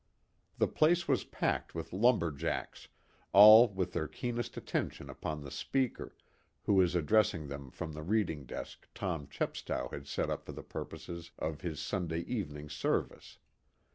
The place was packed with lumber jacks, all with their keenest attention upon the speaker, who was addressing them from the reading desk Tom Chepstow had set up for the purposes of his Sunday evening service.